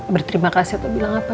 berterima kasih atau bilang apa